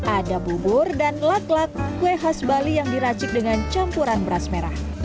ada bubur dan lak lak kue khas bali yang diracik dengan campuran beras merah